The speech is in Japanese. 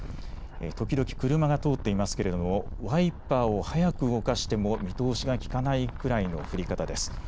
時々、車が通っていますけれどもワイパーを速く動かしても見通しが利かないくらいの降り方です。